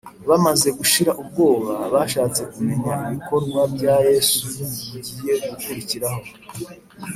bamaze gushira ubwoba, bashatse kumenya ibikorwa bya yesu bigiye gukurikiraho